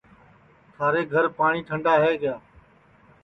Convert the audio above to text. تھارے گھر پاٹؔی ٹھنڈا ہے کیا